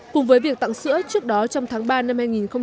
cùng với việc tặng sữa trước đó trong tháng ba năm hai nghìn một mươi bảy